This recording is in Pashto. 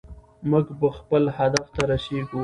موږ به خپل هدف ته رسېږو.